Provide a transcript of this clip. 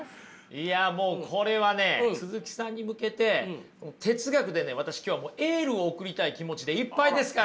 いやもうこれはね鈴木さんに向けて哲学でね私今日はエールを送りたい気持ちでいっぱいですから。